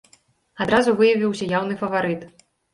Адразу выявіўся яўны фаварыт.